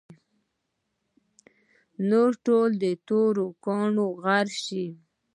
نور ټول د تورو کاڼو غر شي.